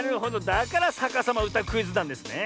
だから「さかさまうたクイズ」なんですね。